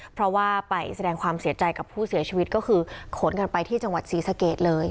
เพราะว่าไปแสดงความเสียใจกับผู้เสียชีวิตก็คือขนกันไปที่จังหวัดศรีสะเกดเลย